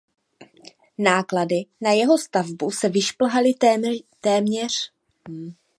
Náklady na jeho stavbu se vyšplhaly téměř na dvě stě milionů říšských marek.